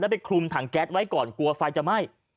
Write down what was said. ไปคลุมถังแก๊สไว้ก่อนกลัวไฟจะไหม้